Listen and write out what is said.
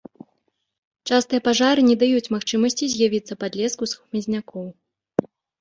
Частыя пажары не даюць магчымасці з'явіцца падлеску з хмызнякоў.